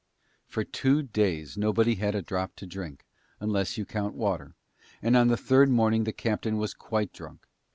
For two days nobody had a drop to drink, unless you count water, and on the third morning the captain was quite drunk.